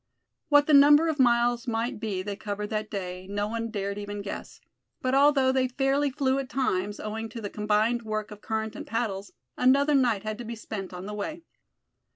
What the number of miles might be they covered that day, no one dared even guess; but although they fairly flew at times, owing to the combined work of current and paddles, another night had to be spent on the way.